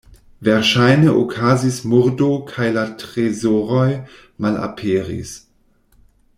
Verŝajne okazis murdo kaj la trezoroj malaperis.